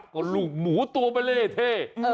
ก็ลูกหมูตัวมันเล่เท่